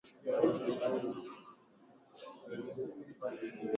Maeneo yalioshambuliwa sana ni marachache kutokea magonjwa ya kitabibu